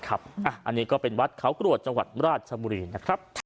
อันนี้ก็เป็นวัดเขากรวดจังหวัดราชบุรีนะครับ